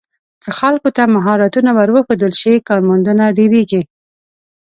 که خلکو ته مهارتونه ور وښودل شي، کارموندنه ډېریږي.